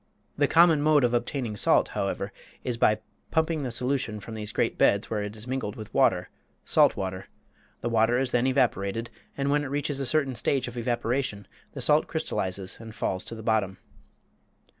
The common mode of obtaining salt, however, is by pumping the solution from these great beds where it is mingled with water salt water; the water is then evaporated, and when it reaches a certain stage of evaporation the salt crystallizes and falls to the bottom.